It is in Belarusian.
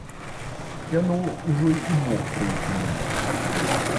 Яно ўжо і бог тройцу любіць.